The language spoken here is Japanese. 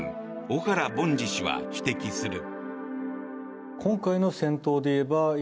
小原凡司氏は指摘する。